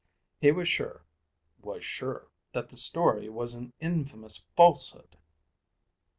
He was sure, was sure, that the story was an infamous falsehood!